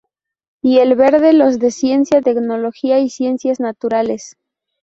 Y el verde los de ciencia, tecnología y ciencias naturales.